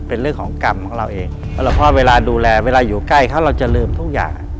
เพราะหลังพ่อเวลาดูแลเวลาอยู่ใกล้เขาเราจะลืมทุกอย่าง